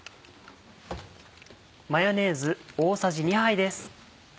マヨネーズ大さじ２杯です。